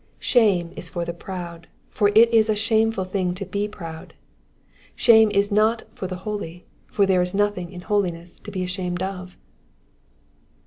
Shame is for the proud, for it is a shameful thing to be proud. Shame is not for the holy, for there is nothing in holi ness to be ashamed of.